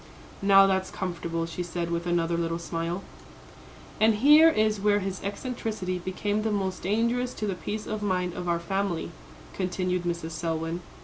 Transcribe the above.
"Now, that's comfortable," she said, with another little smile. "And here is where his eccentricity became the most dangerous to the peace of mind of our family," continued Mrs. Selwyn.